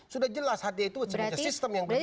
sudah jelas hti itu sistem yang berbeda